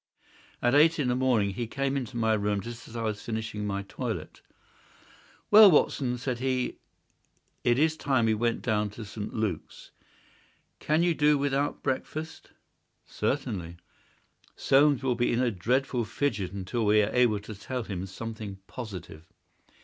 At eight in the morning he came into my room just as I finished my toilet. "Well, Watson," said he, "it is time we went down to St. Luke's. Can you do without breakfast?" "Certainly." "Soames will be in a dreadful fidget until we are able to tell him something positive."